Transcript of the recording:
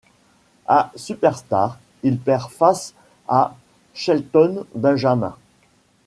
À Superstars il perd face à Shelton Benjamin.